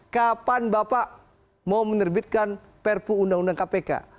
kapan bapak mau menerbitkan perpu undang undang kpk